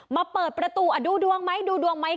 มาเปิดประตูดูดวงมั้ยดูดวงมั้ย